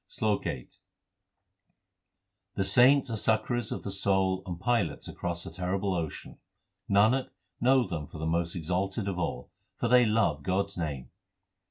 SLOK VIII The saints are succourers of the soul and pilots across the terrible ocean : Nanak, know them for the most exalted of all, for they love God s name.